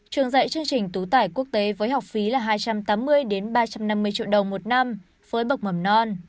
trường dạy chương trình tú tải quốc tế với học phí là hai trăm tám mươi ba trăm năm mươi triệu đồng một năm với bậc mầm non